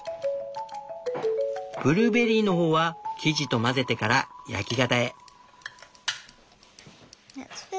ブルーベリーの方は生地と混ぜてから焼き型へ。